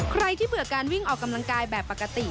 ใครที่เบื่อการวิ่งออกกำลังกายแบบปกติ